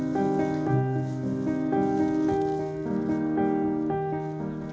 jadi kita bisa menggabungkan agama